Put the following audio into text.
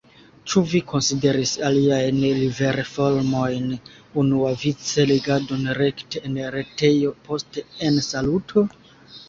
Ĉu vi konsideris aliajn liverformojn, unuavice legadon rekte en retejo, post ensaluto?